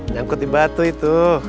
nyangkut di batu itu